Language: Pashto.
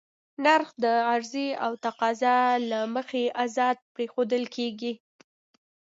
نرخ د عرضې او تقاضا له مخې ازاد پرېښودل کېږي.